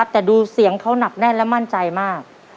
แต่ดูเสียงเขาหนักแน่นและมั่นใจมาก